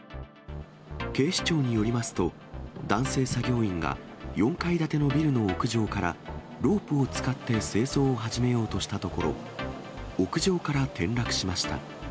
警視庁によりますと、男性作業員が、４階建てのビルの屋上からロープを使って清掃を始めようとしたところ、屋上から転落しました。